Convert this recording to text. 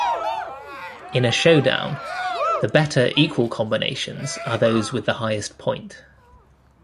In a showdown, the better equal combinations are those with the highest point.